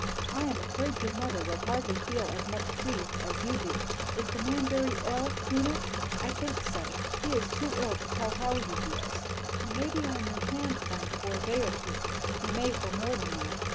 "I am afraid your mother will hardly feel as much pleased as you do. Is the man very ill, Eunice?" "I think so. He is too ill to tell how he feels." "He may be on your hands then for a day or two." "He may for more than that."